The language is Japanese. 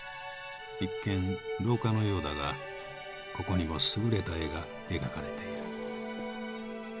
一見廊下のようだがここにも優れた絵が描かれている。